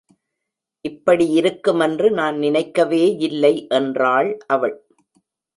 இப்படியிருக்குமென்று நான் நினைக்கவேயில்லை என்றாள் அவள்.